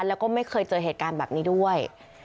แล้วก็ไม่เคยเจอเหตุการณ์แบบนี้ด้วย